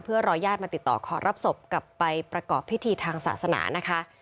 เพื่อรอญาติมาติดต่อขอรับศพกลับไปประกอบพิธีทางศาสนานะคะ